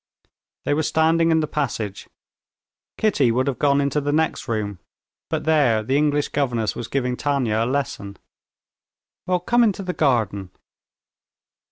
They were standing in the passage. Kitty would have gone into the next room, but there the English governess was giving Tanya a lesson. "Well, come into the garden."